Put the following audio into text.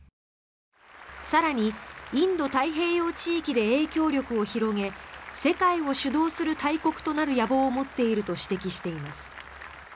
更に、インド太平洋地域で影響力を広げ世界を主導する大国となる野望を持っていると指摘しています。